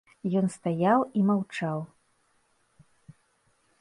Ён стаяў і маўчаў.